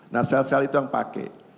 nah sel sel itu yang pakai